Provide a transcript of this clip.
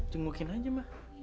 cengukin aja ma